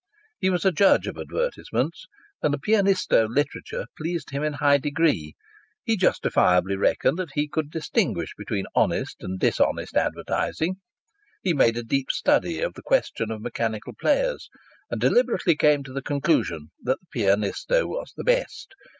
He was a judge of advertisements, and the "Pianisto" literature pleased him in a high degree. He justifiably reckoned that he could distinguish between honest and dishonest advertising. He made a deep study of the question of mechanical players, and deliberately came to the conclusion that the Pianisto was the best.